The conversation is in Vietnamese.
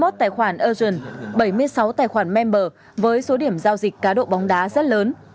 hai mươi một tài khoản agen bảy mươi sáu tài khoản member với số điểm giao dịch cá độ bóng đá rất lớn